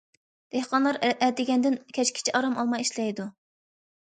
دېھقانلار ئەتىگەندىن كەچكىچە ئارام ئالماي ئىشلەيدۇ.